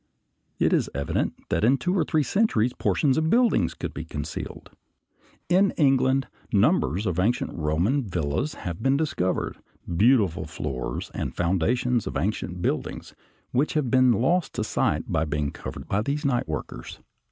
It is evident that in two or three centuries portions of buildings could be concealed. In England numbers of ancient Roman villas have been discovered, beautiful floors and foundations of ancient buildings which have been lost to sight by being covered by these night workers.